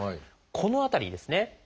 この辺りにですね